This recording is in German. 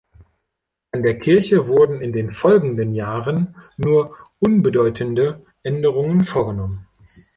An der Kirche wurden in den folgenden Jahren nur unbedeutende Änderungen vorgenommen.